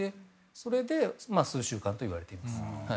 それで数週間と言われています。